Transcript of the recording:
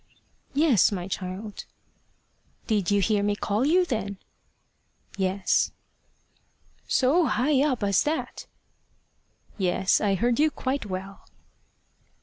"Yes, my child." "Did you hear me call you then?" "Yes." "So high up as that?" "Yes; I heard you quite well."